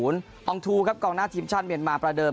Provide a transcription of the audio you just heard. อองทูครับกองหน้าทีมชาติเมียนมาประเดิม